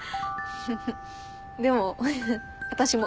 でも私も。